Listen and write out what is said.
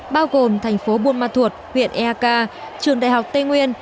bao gồm thành phố buôn ma thuột huyện eak trường đại học tây nguyên